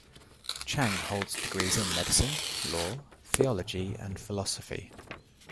Chang holds degrees in medicine, law, theology and philosophy.